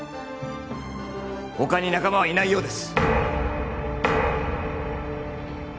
他に仲間はいないようです